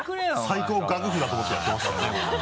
最高学府だと思ってやってますからね。